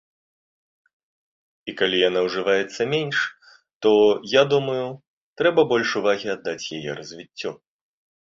І калі яна ўжываецца менш, то, я думаю, трэба больш увагі аддаць яе развіццю.